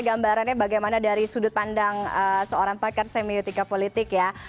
gambarannya bagaimana dari sudut pandang seorang pakar semiotika politik ya